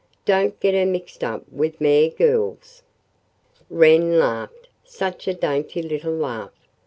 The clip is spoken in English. "Don't get her mixed up with mere girls." Wren laughed such a dainty little laugh.